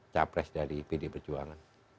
capres dari pd perjuangan